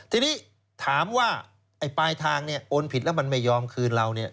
ทีนี้ถามว่าไอ้ปลายทางเนี่ยโอนผิดแล้วมันไม่ยอมคืนเราเนี่ย